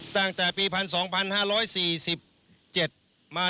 ตั้งแต่ปีพัน๒๕๔๗มาถูกทำ